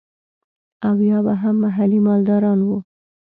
او يا به هم محلي مالداران وو.